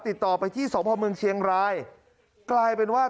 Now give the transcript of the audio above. ติดต่อไปที่สพเมืองเชียงรายกลายเป็นว่า